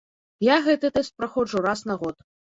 Я гэты тэст праходжу раз на год.